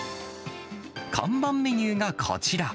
看板メニューがこちら。